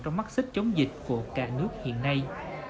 trong mắt xích chống dịch của cả nước hiện nay